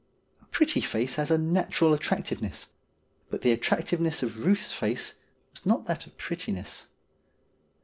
A pretty face has a natural attractiveness, but the attractive ness of Euth's face was not that of prettiness.